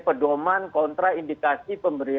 pedoman kontra indikasi